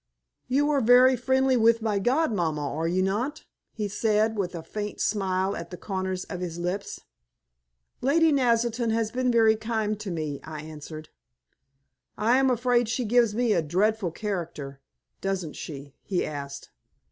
"You are very friendly with my godmamma, are you not?" he said, with a faint smile at the corners of his lips. "Lady Naselton has been very kind to me," I answered. "I am afraid she gives me a dreadful character, doesn't she?" he asked.